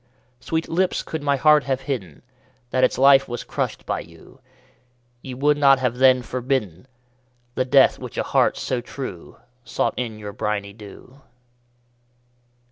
_15 4. Sweet lips, could my heart have hidden That its life was crushed by you, Ye would not have then forbidden The death which a heart so true Sought in your briny dew.